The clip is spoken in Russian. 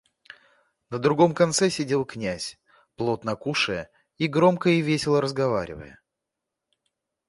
На другом конце сидел князь, плотно кушая и громко и весело разговаривая.